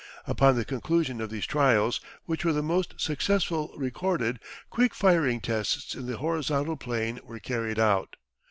Upon the conclusion of these trials, which were the most successful recorded, quick firing tests in the horizontal plane were carried out.